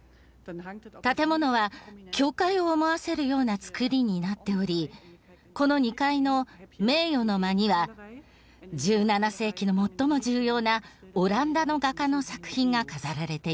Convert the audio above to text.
建物は教会を思わせるような造りになっておりこの２階の「名誉の間」には１７世紀の最も重要なオランダの画家の作品が飾られています。